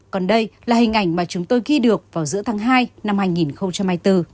còn đây là hình ảnh mà chúng tôi ghi được vào giữa tháng hai năm hai nghìn hai mươi bốn